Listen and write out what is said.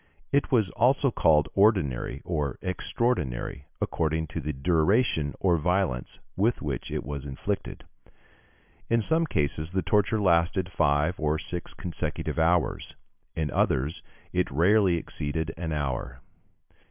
It was also called ordinary, or extraordinary, according to the duration or violence with which it was inflicted. In some cases the torture lasted five or six consecutive hours; in others, it rarely exceeded an hour.